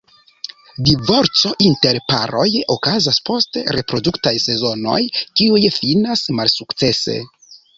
Divorco inter paroj okazas post reproduktaj sezonoj kiuj finas malsukcese.